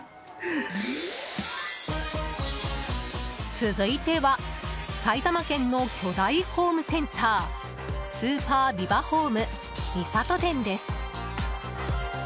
続いては埼玉県の巨大ホームセンタースーパービバホーム三郷店です。